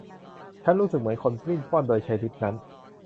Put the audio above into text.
ฉันรู้สึกเหมือนคนปลิ้นปล้อนโดยใช้ลิฟท์นั้น